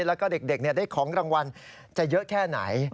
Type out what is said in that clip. แล้วก็เด็กได้ของรางวัลจะเยอะแค่ไหน